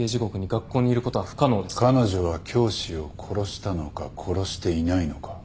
彼女は教師を殺したのか殺していないのか。